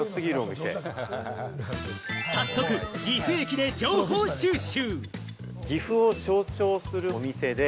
早速、岐阜駅で情報収集。